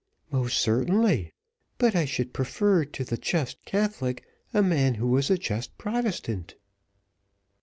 "Most certainly; but I should prefer to the just Catholic, a man who was a just Protestant."